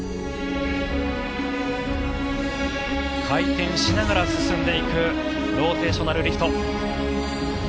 回転しながら進んでいくローテーショナルリフト。